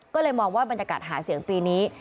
ก็เลยมองว่าบรรยากาศหาเสียงปีนี้